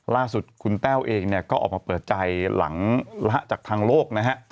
ล่าสุดคุณแต้วเองเนี่ยก็ออกมาเปิดใจหลังจากทางโลกนะฮะ